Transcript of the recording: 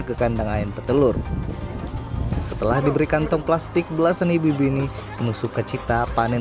ke kandang ayam petelur setelah diberikan tong plastik belasan ibu ibu ini menusuk kecita panen